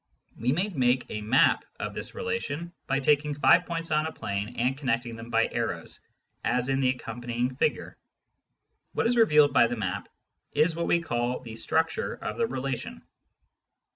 We may make a " map " of this relation by taking five points on a plane and connecting them by arrows, as in the accompanying figure. What is revealed by the map is what we call the " structure " of the relation.